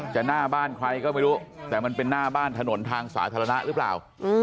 หน้าบ้านใครก็ไม่รู้แต่มันเป็นหน้าบ้านถนนทางสาธารณะหรือเปล่า